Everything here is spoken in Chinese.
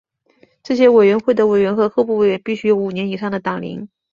这些委员会的委员和候补委员必须有五年以上的党龄。